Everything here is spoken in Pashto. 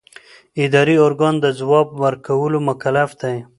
اداري ارګان د ځواب ورکولو مکلف دی.